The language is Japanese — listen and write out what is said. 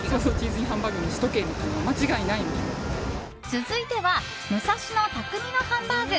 続いては武蔵野・匠のハンバーグ。